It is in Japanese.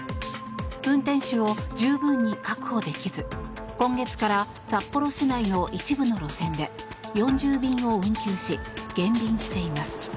運転手を十分に確保できず今月から札幌市内の一部の路線で４０便を運休し減便しています。